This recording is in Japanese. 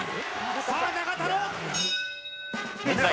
さあ永田の。